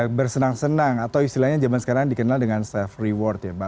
ya bersenang senang atau istilahnya zaman sekarang dikenal dengan self reward ya mbak